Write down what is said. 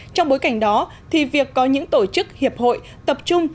trong bối cảnh đó thì việc có những tổ chức hiệp hội tập trung